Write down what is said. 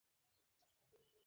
না, তেমন বলেনি।